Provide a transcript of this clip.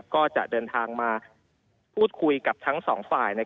ก็จะเดินทางมาพูดคุยกับทั้งสองฝ่าย